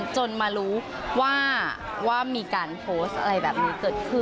จนมารู้ว่ามีการโพสต์อะไรแบบนี้เกิดขึ้น